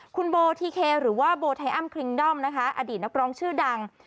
คุณโบทีเคหรือว่าโบไทยอ้ำคริงด้อมนะคะอดีตนักร้องชื่อดัง